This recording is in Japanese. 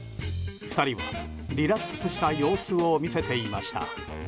２人はリラックスした様子を見せていました。